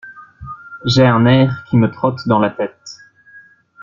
J'ai un air qui me trotte dans la tête.